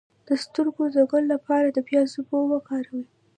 د سترګو د ګل لپاره د پیاز اوبه وکاروئ